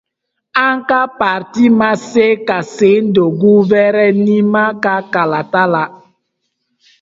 An ka parti ma se ka sen don guvɛrinama ka kalata la.